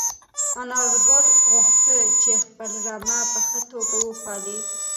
انارګل غوښتل چې خپله رمه په ښه توګه وپالي.